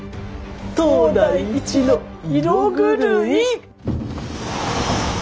当代一の色狂い。